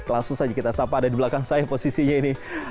langsung saja kita sapa ada di belakang saya posisinya ini